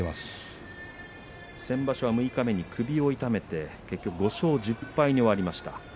先場所六日目に首を痛めて結局、５勝１０敗に終わりました。